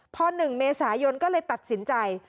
พอ๑เมษายนก็เลยตัดสินใจ